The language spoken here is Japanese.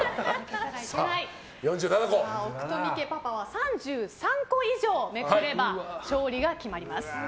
奥冨家のパパは３３個以上めくれば勝利が決まります。